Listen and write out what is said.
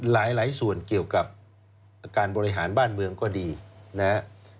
หลายส่วนเกี่ยวกับการบริหารบ้านเมืองก็ดีนะครับ